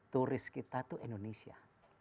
turis kita itu indonesia